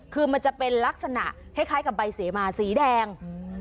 คือมันจะเป็นลักษณะคล้ายคล้ายกับใบเสมาสีแดง